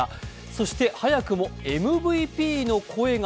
そして早くもＭＶＰの声が？